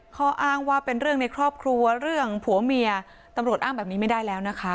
ข้ออ้างว่าเป็นเรื่องในครอบครัวเรื่องผัวเมียตำรวจอ้างแบบนี้ไม่ได้แล้วนะคะ